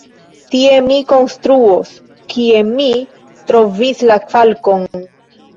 Tie mi konstruos, kie mi trovis la falkon.